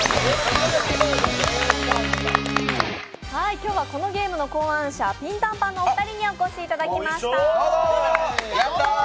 今日はこのゲームの考案者、ピンタンパンのお二人にお越しいただきました。